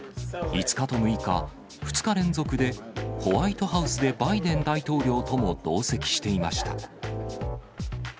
５日と６日、２日連続で、ホワイトハウスでバイデン大統領とも同席していました。